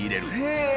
へえ！